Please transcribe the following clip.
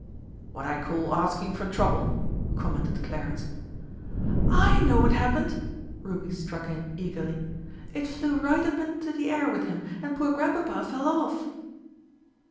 "What I call asking for trouble," commented Clarence. "I know what happened!" Ruby struck in eagerly. "It flew right up into the air with him, and poor Grandpapa fell off."